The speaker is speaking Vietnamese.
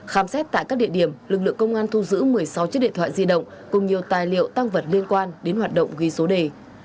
khám xét tại các địa điểm lực lượng công an thu giữ một mươi sáu chiếc điện thoại di động cùng nhiều tài liệu tăng vật liên quan đến hoạt động ghi số đề